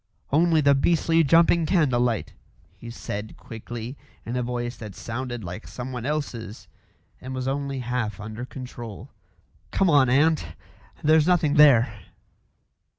"Only the beastly jumping candle light," he said quickly, in a voice that sounded like someone else's and was only half under control. "Come on, aunt. There's nothing there."